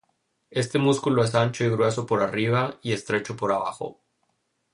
Este músculo es ancho y grueso por arriba, y estrecho por abajo.